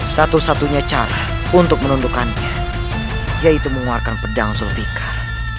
satu satunya cara untuk menundukannya yaitu mengeluarkan pedang zulfikar